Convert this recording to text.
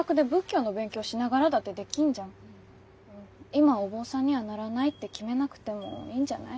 今お坊さんにはならないって決めなくてもいいんじゃない？